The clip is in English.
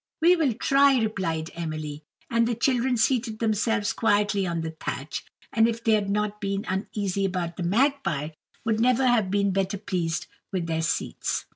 "We will try," replied Emily. And the children seated themselves quietly on the thatch; and if they had not been uneasy about the magpie, would never have been better pleased with their seats.